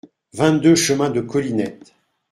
vingt-deux chemin de Colinette